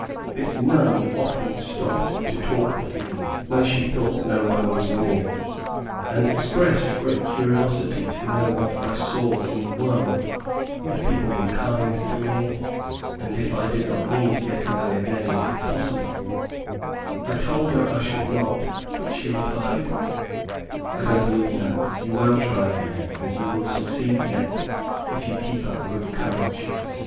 This nun often stopped to talk with me, when she thought no one was near, and expressed great curiosity to know what I saw in the world; if people were kind to me, and if I did not mean to get away again, if possible, I told her I should not; but she replied, "I don't believe that. You will try again, and you will succeed yet, if you keep up good courage.